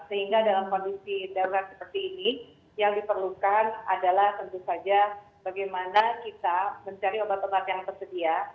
sehingga dalam kondisi darurat seperti ini yang diperlukan adalah tentu saja bagaimana kita mencari obat obat yang tersedia